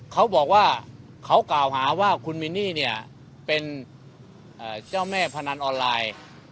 เขาบอกว่าเขากล่าวหาว่าคุณมินนี่เนี่ยเป็นเจ้าแม่พนันออนไลน์